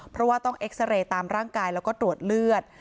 เพราะว่าต้องเอ็กซาเรย์ตามร่างกายแล้วก็ตรวจเลือด